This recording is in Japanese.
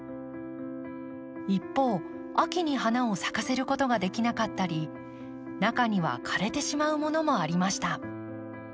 一方秋に花を咲かせることができなかったり中には枯れてしまうものもありました。